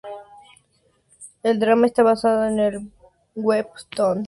El drama está basado en el webtoon de Jo Keum-san.